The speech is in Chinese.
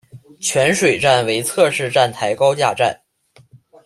泉水站为侧式站台高架站。